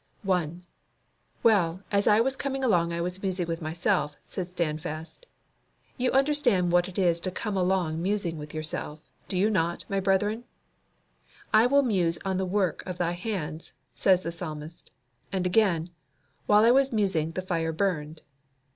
1. "Well, as I was coming along I was musing with myself," said Standfast. You understand what it is to come along musing with yourself, do you not, my brethren? "I will muse on the work of Thy hands," says the Psalmist. And again, "While I was musing the fire burned."